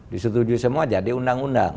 disetujui semua jadi undang undang